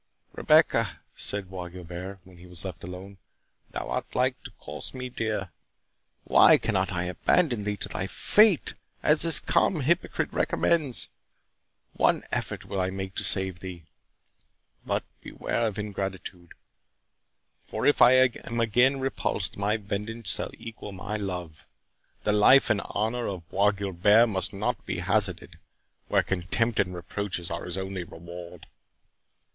"Rebecca," said Bois Guilbert, when he was left alone, "thou art like to cost me dear—Why cannot I abandon thee to thy fate, as this calm hypocrite recommends?—One effort will I make to save thee—but beware of ingratitude! for if I am again repulsed, my vengeance shall equal my love. The life and honour of Bois Guilbert must not be hazarded, where contempt and reproaches are his only reward."